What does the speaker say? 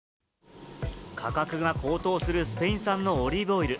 価格が高騰するスペイン産のオリーブオイル。